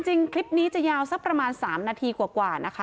จริงคลิปนี้จะยาวสักประมาณ๓นาทีกว่านะคะ